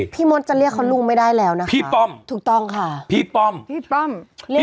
พี่มดจะเรียกเขาลุงไม่ได้แล้วนะคะถูกต้องค่ะพี่ป้อมพี่ป้อม